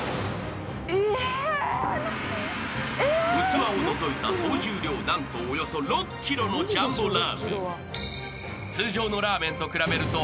［器を除いた総重量何とおよそ６ｋｇのジャンボラーメン］